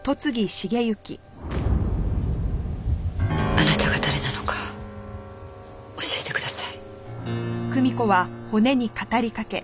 あなたが誰なのか教えてください。